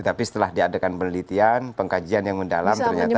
tapi setelah diadakan penelitian pengkajian yang mendalam ternyata